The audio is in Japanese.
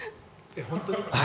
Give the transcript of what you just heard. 本当に？